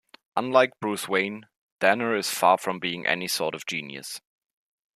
Unlike Bruce Wayne, Danner is far from being any sort of genius.